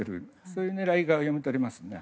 そういう狙いが読み取れますね。